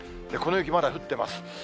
この雪、まだ降ってます。